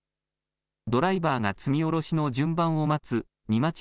ドライバーが積み降ろしの順番を待つ荷